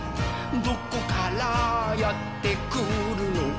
「どこからやってくるの？」